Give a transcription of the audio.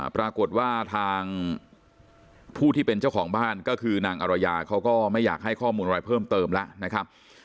ปรากฏว่าทางผู้ที่เป็นเจ้าของบ้านก็คือนางอรยาเขาก็ไม่อยากให้ข้อมูลอะไรเพิ่มเติมแล้วนะครับ